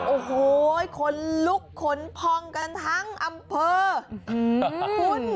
โอ้โหขนลุกขนพองกันทั้งอำเภอคุณ